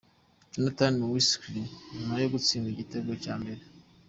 Jonathan Mckinstry nyuma yo gutsindwa igitego cya mbere.